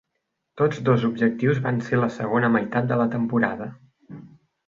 Tots dos objectius van ser la segona meitat de la temporada.